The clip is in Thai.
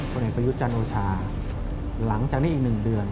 เอกประยุทธ์จันโอชาหลังจากนี้อีก๑เดือน